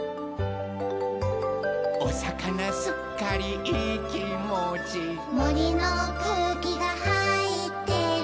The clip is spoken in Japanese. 「おさかなすっかりいいきもち」「もりのくうきがはいってる」